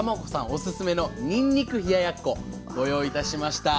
オススメのにんにく冷ややっこご用意いたしました。